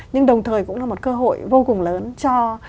nhưng đồng thời cũng là một cơ hội vô cùng lớn cho